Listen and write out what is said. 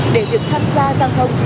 để được tham gia giao thông